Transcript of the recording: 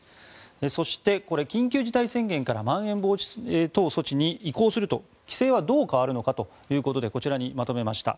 そして、緊急事態宣言からまん延防止等重点措置に移行すると、規制はどう変わるのかということでこちらにまとめました。